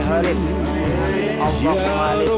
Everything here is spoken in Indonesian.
allah ta'ala yang menjaga kita